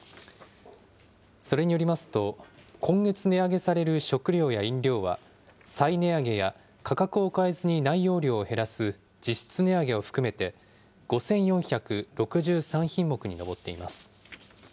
それによりますと、今月値上げされる食料や飲料は、再値上げや価格を変えずに内容量を減らす実質値上げを含めて５４６３品目に上っています。